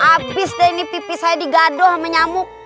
abis deh pipi saya digaduh sama nyamuk